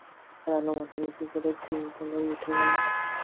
রানু মাথা নিচু করে তিনতলায় উঠে গেল।